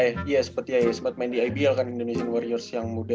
eh iya sempet ya sempet main di ibl kan indonesian warriors yang muda